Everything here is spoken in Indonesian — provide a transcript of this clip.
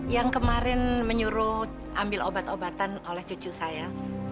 yang kemarin menyuruh ambil obat obatan oleh cucu saya